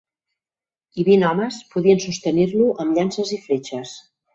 I vint homes podien sostenir-lo amb llances i fletxes.